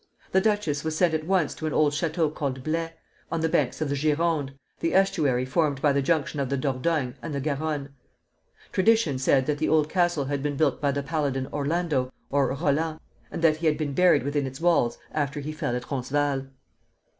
The duchess was sent at once to an old château called Blaye, on the banks of the Gironde, the estuary formed by the junction of the Dordogne and the Garonne. Tradition said that the old castle had been built by the paladin Orlando (or Roland), and that he had been buried within its walls after he fell at Roncesvalles.